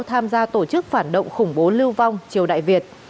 tham gia tổ chức phản động khủng bố lưu vong triều đại việt